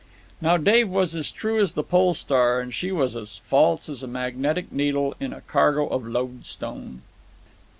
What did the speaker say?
"Now Dave was as true as the Pole Star, and she was as false as a magnetic needle in a cargo of loadstone.